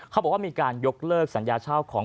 เขาบอกว่ามีการยกเลิกสัญญาเช่าของ